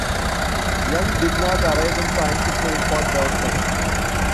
Young did not arrive in time to play for Dawson.